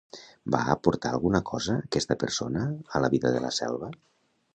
Va aportar alguna cosa aquesta persona a la vida de la selva?